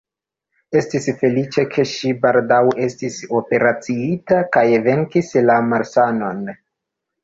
Estis feliĉe, ke ŝi baldaŭ estis operaciita kaj venkis la malsanon.